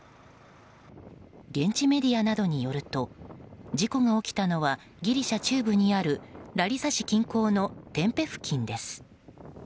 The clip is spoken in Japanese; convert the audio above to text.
現地メディアなどによると事故が起きたのはギリシャ中部にあるラリッサ市近郊のテンペ付近です。